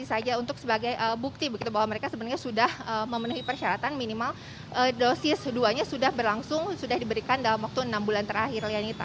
ini saja untuk sebagai bukti begitu bahwa mereka sebenarnya sudah memenuhi persyaratan minimal dosis dua nya sudah berlangsung sudah diberikan dalam waktu enam bulan terakhir